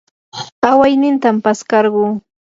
awaynitam paskarquu.